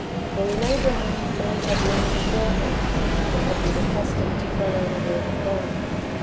For in Abraham man had learned beforehand, and had been accustomed to follow the Word of God.